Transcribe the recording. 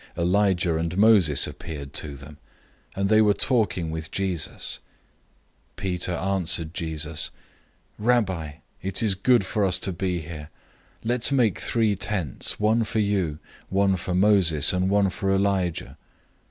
009:004 Elijah and Moses appeared to them, and they were talking with Jesus. 009:005 Peter answered Jesus, "Rabbi, it is good for us to be here. Let's make three tents: one for you, one for Moses, and one for Elijah."